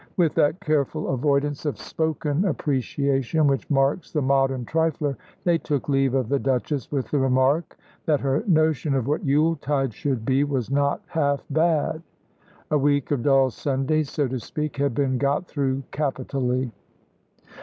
With that careful avoidance of spoken appreciation which marks the modern trifler, they took leave of the Duchess with the remark that her notion of what Yule tide should be was not half bad. A week of dull Sundays, so to speak, had been got through capitally.